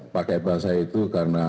pakai bahasa itu karena